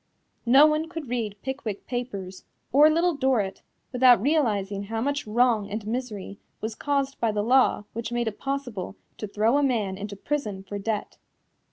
No one could read Pickwick Papers or Little Dorrit without realizing how much wrong and misery was caused by the law which made it possible to throw a man into prison for debt.